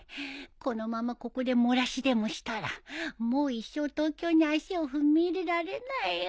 このままここで漏らしでもしたらもう一生東京に足を踏み入れられないよ